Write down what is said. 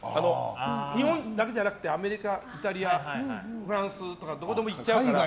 日本だけじゃなくてアメリカ、イタリアフランスとかどこでも行っちゃうから。